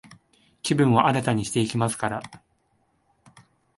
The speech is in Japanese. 気分を新たにしていきますから、